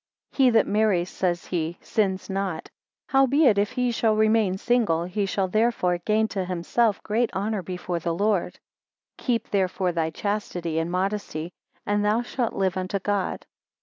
He that marries says he, sins not: howbeit, if he shall remain single, he shall thereby gain to himself great honour before the Lord. 27 Keep therefore thy chastity and modesty, and thou shalt live unto God.